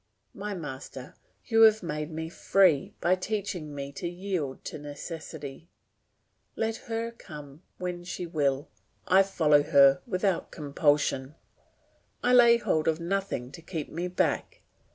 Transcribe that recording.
My master, you have made me free by teaching me to yield to necessity. Let her come when she will, I follow her without compulsion; I lay hold of nothing to keep me back.